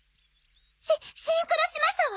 シシンクロしましたわ！